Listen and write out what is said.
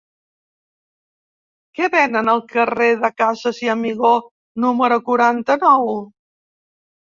Què venen al carrer de Casas i Amigó número quaranta-nou?